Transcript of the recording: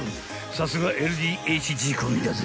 さすがＬＤＨ仕込みだぜ］